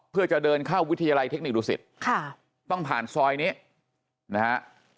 เพื่อจะเดินเข้าวิทยาลัยเทคนิคดุสิตค่ะต้องผ่านซอยนี้นะฮะ